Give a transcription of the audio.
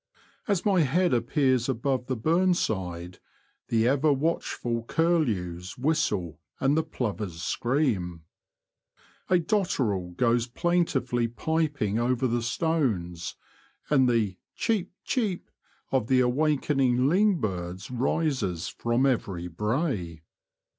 As my head appears above the burn side, the ever watchful curlews whistle and the plovers scream. A dotterel goes plaintivel y piping over the stones, and the *' cheep, cheep," of the awakening ling birds rises from every brae.